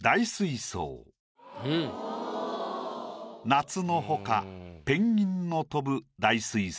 「夏のほかペンギンの飛ぶ大水槽」。